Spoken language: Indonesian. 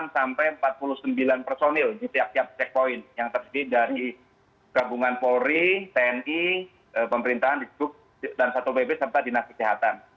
sampai empat puluh sembilan personil di tiap checkpoint yang terdiri dari gabungan polri tni pemerintahan dikub dan satu bp serta dinasik kesehatan